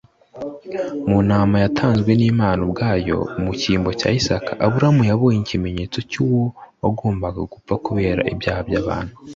Mu ntama yatanzwe n’Imana ubwayo mu cyimbo cya Isaka, Aburahamu yabonye ikimenyetso cy’uwo wagombaga gupfa kubera ibyaha by’abantu.